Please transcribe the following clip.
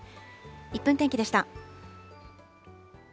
１分天気でした。